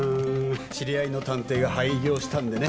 知り合いの探偵が廃業したんでね。